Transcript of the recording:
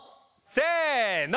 せの！